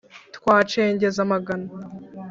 twacengeza amagana.